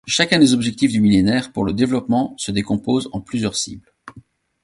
Chacun des Objectifs du millénaire pour le développement se décompose en plusieurs cibles.